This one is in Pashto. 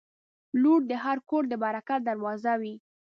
• لور د هر کور د برکت دروازه وي.